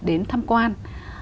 đến tham quan